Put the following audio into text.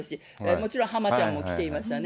もちろん浜ちゃんも来ていましたね。